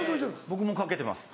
僕も掛けてます。